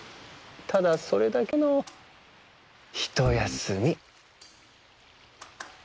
ただそれだけのひとやすみ。